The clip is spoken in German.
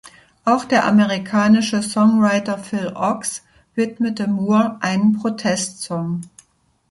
Auch der amerikanische Songwriter Phil Ochs widmete Moore einen Protestsong.